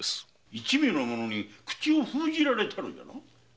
一味の者に口を封じられたのじゃな？